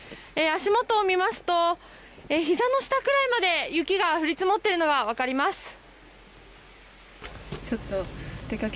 足元を見ますとひざの下くらいまで雪が降り積もっているのがわかります。